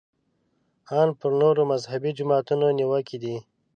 ان پر نورو مذهبي جماعتونو نیوکې دي.